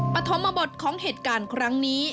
ปฐมบทของเหตุการณ์ครั้งนี้